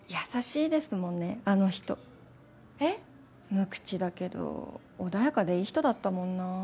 無口だけど穏やかでいい人だったもんな。